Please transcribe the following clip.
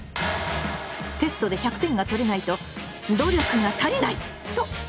テストで１００点が取れないと「努力が足りない！」と怒ったそうです。